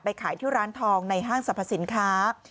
ขายที่ร้านทองในห้างสรรพสินค้า